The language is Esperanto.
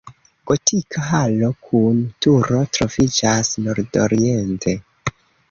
Gotika halo kun turo troviĝas nordoriente.